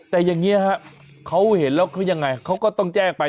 แต่อย่างเงี่ยครับเขาเห็นแล้วยังไงเขาก็ต้องใจกันไป